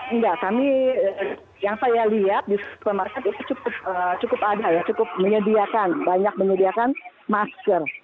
enggak kami yang saya lihat di supermarket itu cukup ada ya cukup menyediakan banyak menyediakan masker